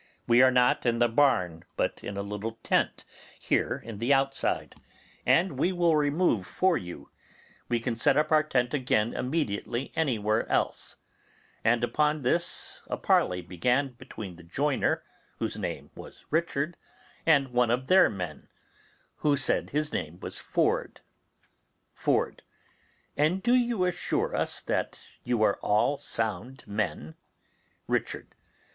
We are not in the barn, but in a little tent here in the outside, and we will remove for you; we can set up our tent again immediately anywhere else'; and upon this a parley began between the joiner, whose name was Richard, and one of their men, who said his name was Ford. Ford. And do you assure us that you are all sound men? Richard.